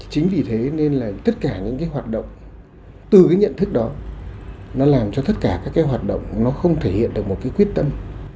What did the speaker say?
chính vì thế nên là tất cả những cái hoạt động từ cái nhận thức đó nó làm cho tất cả các cái hoạt động nó không thể hiện được một cái quyết tâm